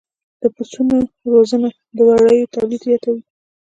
د پسونو روزنه د وړیو تولید زیاتوي.